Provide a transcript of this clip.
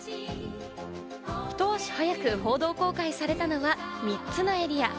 ひと足早く報道公開されたのは３つのエリア。